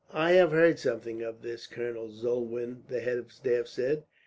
"I have heard something of this," Colonel Zolwyn, the head of the staff, said.